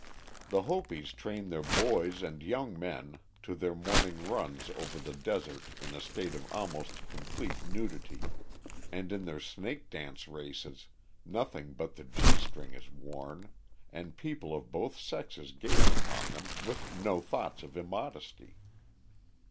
The Hopis train their boys and young men to their morning runs over the desert in a state of almost complete nudity, and in their snake dance races, nothing but the gee string is worn, and people of both sexes gaze upon them with no thought of immodesty.